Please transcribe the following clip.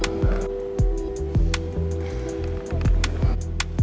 jangan jangan digerak jangan gerak